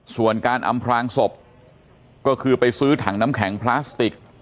ส่วนการอำพลางศพก็คือไปซื้อถังน้ำแข็งพลาสติก